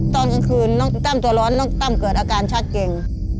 ตอนกลางคืนน้องตั้มตัวร้อนน้องตั้มเกิดอาการชัดเจน